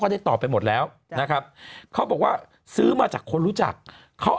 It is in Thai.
ได้ตอบไปหมดแล้วนะครับเขาบอกว่าซื้อมาจากคนรู้จักเขา